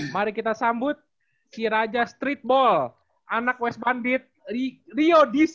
mari kita sambut si raja streetball anak west bandit rio dc